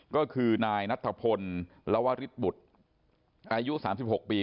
ก็คือนายนัทพลลวริสบุตรอายุ๓๖ปี